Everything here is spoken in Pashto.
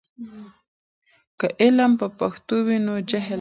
که علم په پښتو وي، نو جهل نشته.